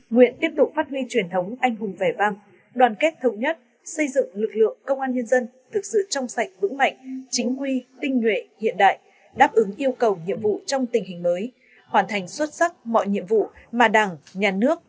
nguyện tiếp tục phát huy truyền thống anh hùng vẻ vang đoàn kết thống nhất xây dựng lực lượng công an nhân dân thực sự trong sạch vững mạnh chính quy tinh nguyện hiện đại đáp ứng yêu cầu nhiệm vụ trong tình hình mới hoàn thành xuất sắc mọi nhiệm vụ mà đảng nhà nước